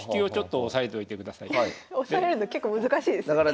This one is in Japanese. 押さえるの結構難しいですね。